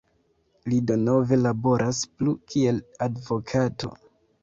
Li denove laboras plu kiel advokato.